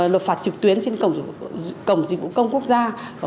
nộp phạt trực tuyến trên cổng dịch vụ công quốc gia